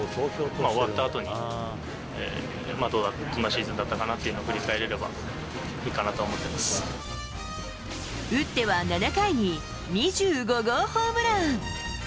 終わったあとに、どんなシーズンだったのかなっていうのを振り返れればいいかなと打っては、７回に２５号ホームラン。